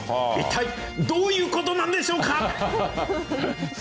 一体、どういうことなんでしょうか。